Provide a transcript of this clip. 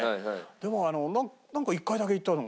でもなんか１回だけ行ったのがあった。